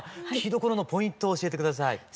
聴きどころのポイントを教えて下さい。